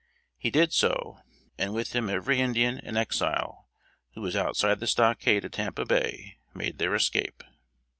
He did so, and with him every Indian and Exile, who was outside the stockade at Tampa Bay, made their escape.